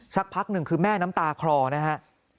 สักพักหนึ่งคือแม่น้ำตาคลอนะฮะ